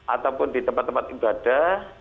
ataupun di tempat tempat ibadah